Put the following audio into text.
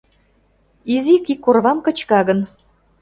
Изик ик орвам кычка гын